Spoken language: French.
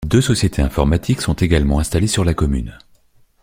Deux sociétés informatiques sont également installées sur la commune.